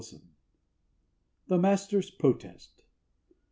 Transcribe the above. Owen. THE MASTER'S PROTEST.